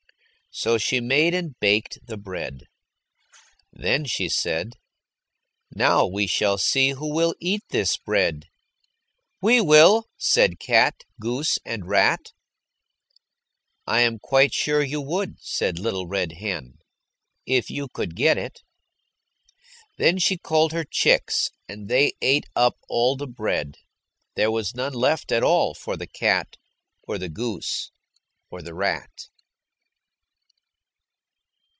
So she made and baked the bread. Then she said, "Now we shall see who will eat this bread." "We will," said cat, goose, and rat. "I am quite sure you would," said Little Red Hen, "if you could get it." Then she called her chicks, and they ate up all the bread. There was none left at all for the cat, or the goose, or the rat.